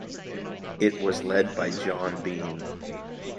It was led by John Bean.